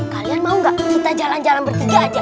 kalian mau gak kita jalan jalan bertiga aja